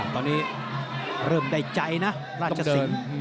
ตอนนี้เริ่มได้ใจนะราชสิงศ์